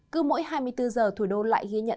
cứ mỗi hai mươi bốn giờ thủ đô lại ghi nhận